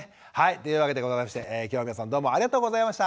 ということでございまして今日は皆さんどうもありがとうございました。